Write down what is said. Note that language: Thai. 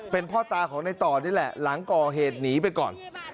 เป็นพ่อตาของในต่อนี่แหละหลังก่อเหตุหนีไปก่อน